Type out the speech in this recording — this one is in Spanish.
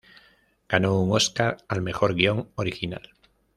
Ganó un Oscar al mejor guion original.